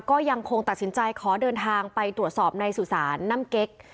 ก็ยังคงตัดสินใจขอเดินทางไปตรวจสอบในสุสานน้ำเก๊ก